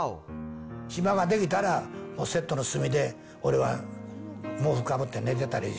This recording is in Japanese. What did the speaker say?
暇ができたら、セットの隅で、俺は毛布かぶって寝てたり。